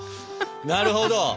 なるほど。